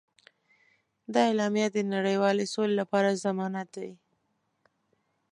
دا اعلامیه د نړیوالې سولې لپاره ضمانت دی.